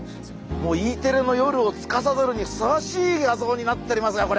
Ｅテレの夜をつかさどるにふさわしい画像になっておりますねこれ。